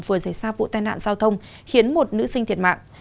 vừa giải xa vụ tai nạn giao thông khiến một nữ sinh thiệt mạng